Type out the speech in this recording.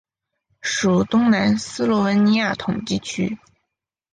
属东南斯洛文尼亚统计区。